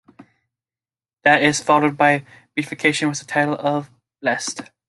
That is followed by beatification, with the title of "Blessed".